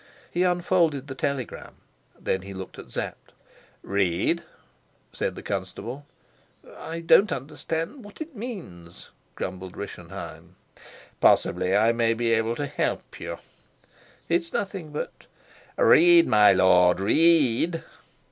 He unfolded the telegram. Then he looked at Sapt. "Read," said the constable. "I don't understand what it means," grumbled Rischenheim. "Possibly I may be able to help you." "It's nothing but " "Read, my lord, read!"